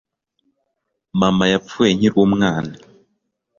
mama yapfuye nkiri umwana